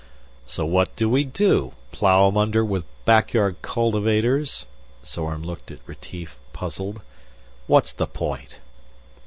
"So what do we do plow 'em under with back yard cultivators?" Zorn looked at Retief, puzzled. "What's the point?"